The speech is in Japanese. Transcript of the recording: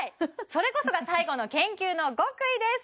それこそが最後の研究の極意です